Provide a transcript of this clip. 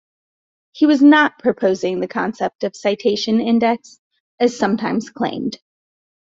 He was not proposing the concept of citation index, as sometimes claimed.